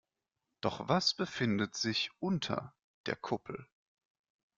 Doch was befindet sich unter der Kuppel?